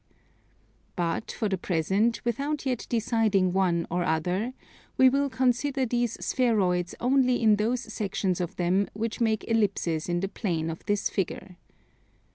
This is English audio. But, for the present, without yet deciding one or other, we will consider these spheroids only in those sections of them which make ellipses in the plane of this figure.